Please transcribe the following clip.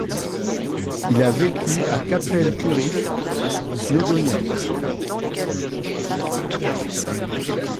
Il a vécu à Capel Curig, Snowdonia.